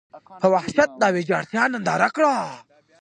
په وحشت دا ویجاړتیا ننداره کړه.